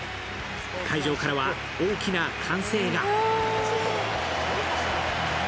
会場からは大きな歓声が。